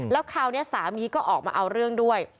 แล้วคราวนี้สามีก็ออกมาเอาเรื่องด้วย